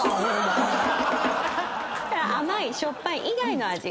甘いしょっぱい以外の味。